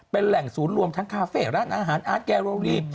เป็นแหล่งศูนย์รวมทั้งคาเฟ่ร้านอาหารอาร์ตแกโรลี